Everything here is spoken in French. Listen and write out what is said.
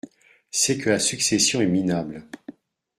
C’est que la succession est minable…